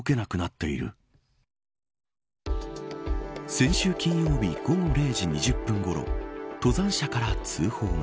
先週金曜日午後０時２０分ごろ登山者から通報が。